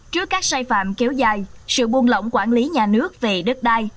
trước các sai phạm kéo dài sự buôn lỏng quản lý nhà nước về đất đai